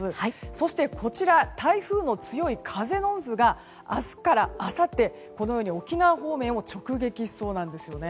そして台風の強い風の渦が明日からあさって、このように沖縄方面を直撃しそうなんです。